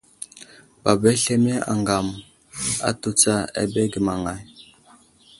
Baba slemiye aŋgam atu tsa abege maŋay.